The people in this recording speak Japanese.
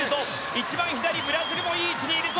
一番左、ブラジルもいい位置にいるぞ。